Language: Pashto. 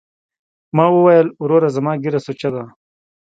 ما وويل وروره زما ږيره سوچه ده.